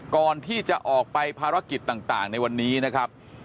ก่อนที่จะออกไปภารกิจต่างในวันนี้นะครับ